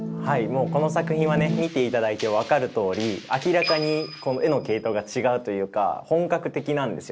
もうこの作品はね見て頂いて分かるとおり明らかにこの画の系統が違うというか本格的なんですよね。